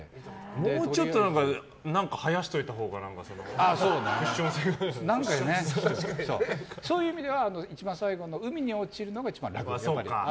もうちょっと生やしといたほうがそういう意味では一番最後の海に落ちるのが一番楽です。